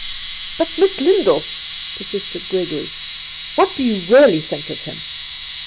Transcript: "But, Miss Lyndall," persisted Gregory, "what do you really think of him?"